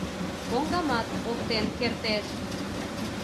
Коҥгамат оптен кертеш.